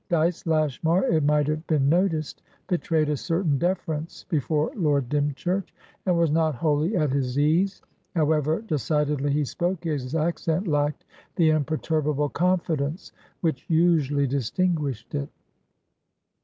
Dyce Lashmar, it might have been noticed, betrayed a certain deference before Lord Dymchurch, and was not wholly at his ease; however decidedly he spoke, his accent lacked the imperturbable confidence which usually distinguished it.